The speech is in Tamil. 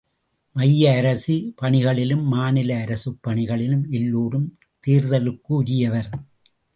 மைய அரசு பணிகளிலும் மாநில அரசுப் பணிகளிலும் எல்லோரும் சேர்தலுக்குரியவர்.